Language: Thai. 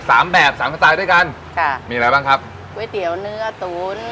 แบบสามสไตล์ด้วยกันค่ะมีอะไรบ้างครับก๋วยเตี๋ยวเนื้อตุ๋น